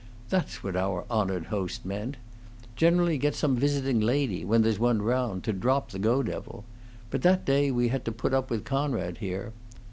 That's what our honored host meant. Generally get some visiting lady, when there's one round, to drop the Go devil. But that day we had to put up with Conrad here.